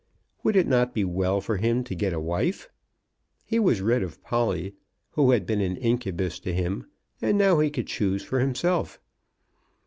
Would it not be well for him to get a wife? He was rid of Polly, who had been an incubus to him, and now he could choose for himself.